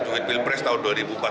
duit pilpres tahun dua ribu empat belas